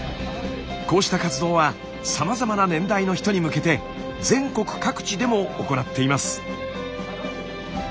こうした活動はさまざまな年代の人に向けて全国各地でも行っています。